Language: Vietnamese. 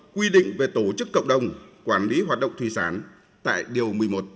quy định về tổ chức cộng đồng quản lý hoạt động thủy sản tại điều một mươi một